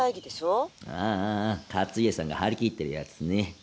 ああ勝家さんが張り切ってるやつね。